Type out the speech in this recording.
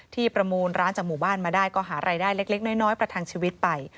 ประมูลร้านจากหมู่บ้านมาได้ก็หารายได้เล็กน้อยประทังชีวิตไป